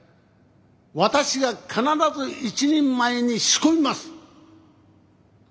私が必ず一人前に仕込みます。